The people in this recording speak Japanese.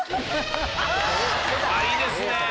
いいですね！